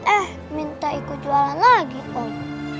eh minta ikut jualan lagi om